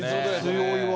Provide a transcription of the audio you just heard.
強いわ！